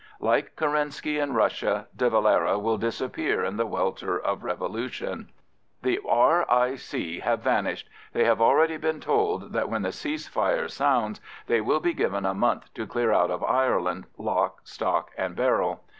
Like Kerensky in Russia, De Valera will disappear in the welter of revolution. The R.I.C. will have vanished—they have already been told that when the "Cease fire" sounds, they will be given a month to clear out of Ireland, lock, stock, and barrel.